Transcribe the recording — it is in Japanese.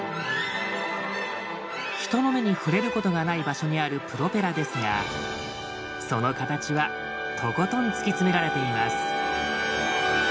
人の目に触れることがない場所にあるプロペラですがその形はとことん突き詰められています。